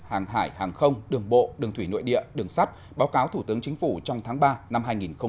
hàng hải hàng không đường bộ đường thủy nội địa đường sắt báo cáo thủ tướng chính phủ trong tháng ba năm hai nghìn hai mươi